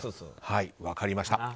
分かりました。